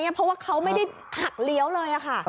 เพราะว่าเขาไม่ได้หักเลี้ยวเลยค่ะ